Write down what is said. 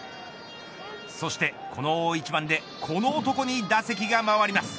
そして大一番でこの男に打席が回ります。